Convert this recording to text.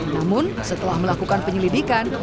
namun setelah melakukan penyelidikan